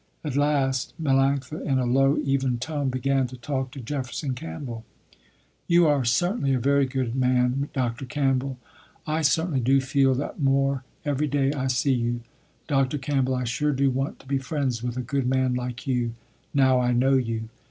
At last Melanctha in a low, even tone began to talk to Jefferson Campbell. "You are certainly a very good man, Dr. Campbell, I certainly do feel that more every day I see you. Dr. Campbell, I sure do want to be friends with a good man like you, now I know you.